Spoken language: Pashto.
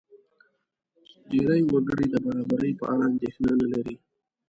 ډېری وګړي د برابرۍ په اړه اندېښنه نه لري.